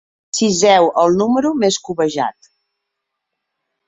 Ciseu el número més cobejat.